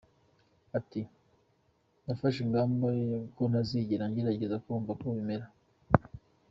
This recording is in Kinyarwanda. Ati” Nafashe ingamba ko ntazigera ngerageza kumva uko bimera.